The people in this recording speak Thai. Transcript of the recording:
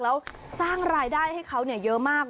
แล้วสร้างรายได้ให้เขาเยอะมาก